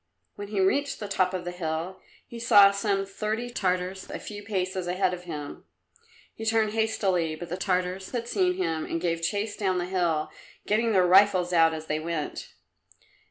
When he reached the top of the hill he saw some thirty Tartars a few paces ahead of him. He turned hastily, but the Tartars had seen him and gave chase down the hill, getting their rifles out as they went.